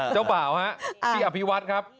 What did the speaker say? เจ้าเปล่าครับพี่อภิวัตรครับ